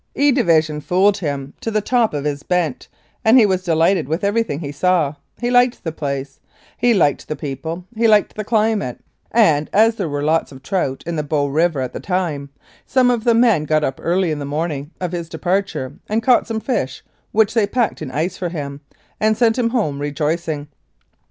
"E " Division fooled him to the top of his bent, and he was delighted with everything he saw ; he liked the place, he liked the people, he liked the climate, and, as there were lots of trout in the Bow River at that time, some of the men got up early in the morning of his departure and caught some fish, which they packed in ice for him, and sent him home rejoicing.